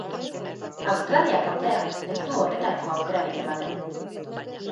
Australiak, ordea, ez du horretarako aukerarik ematen.